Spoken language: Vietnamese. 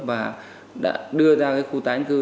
và đưa ra khu tái anh cư